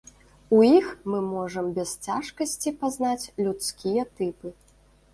У іх мы можам без цяжкасці пазнаць людскія тыпы.